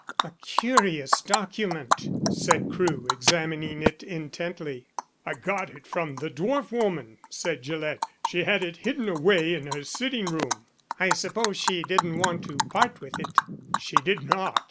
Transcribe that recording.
"] "A curious document!" said Crewe, examining it intently. "I got it from the dwarf woman," said Gillett. "She had it hidden away in her sitting room." "I suppose she didn't want to part with it?" "She did not.